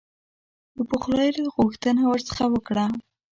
د پخلایني غوښتنه ورڅخه وکړه.